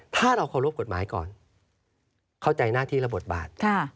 ถ้าเราเคารพกฎหมายก่อนเข้าใจหน้าที่ระบบบาท